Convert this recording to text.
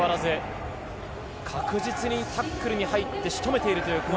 確実にタックルに入って仕留めています。